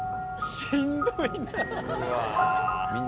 しんどいな。